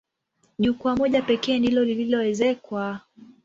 Jukwaa moja pekee ndilo lililoezekwa.